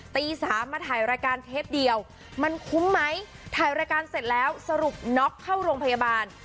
ตีสามมาถ่ายรายการเทปเดียวมันคุ้มไหมถ่ายรายการเสร็จแล้วสรุปน็อกเข้าโรงพยาบาล